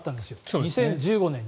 ２０１５年に。